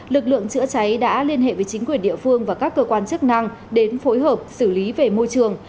lực lượng chữa cháy đã liên hệ với chính quyền địa phương và các cơ quan chức năng đến phối hợp xử lý về môi trường